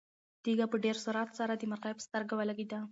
تیږه په ډېر سرعت سره د مرغۍ په سترګه ولګېده.